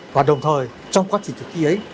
và đồng thời trong quá trình thực hiện ấy